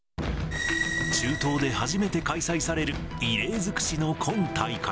中東で初めて開催される異例づくしの今大会。